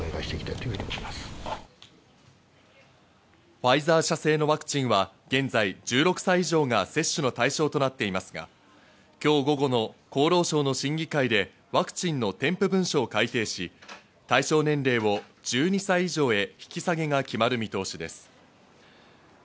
ファイザー社製のワクチンは現在、１６歳以上が接種の対象となっていますが、今日午後の厚労省の審議会で、ワクチンの添付文書を改定し対象年齢を１２歳以上へ引き下げが決まる見通しです。